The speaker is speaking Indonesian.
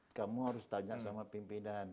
saya sudah bertanya sama pimpinan